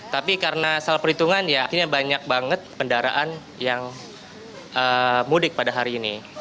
tapi karena salah perhitungan ya akhirnya banyak banget kendaraan yang mudik pada hari ini